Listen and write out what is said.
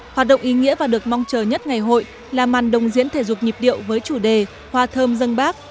hoạt động ý nghĩa và được mong chờ nhất ngày hội là màn đồng diễn thể dục nhịp điệu với chủ đề hoa thơm dân bác